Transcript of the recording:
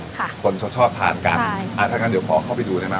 คนเขาชอบทานกันใช่อ่าถ้างั้นเดี๋ยวขอเข้าไปดูได้ไหม